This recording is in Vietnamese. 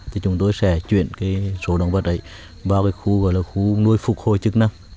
thì chúng tôi sẽ chuyển số động vật ấy vào khu gọi là khu nuôi phục hồi chức năng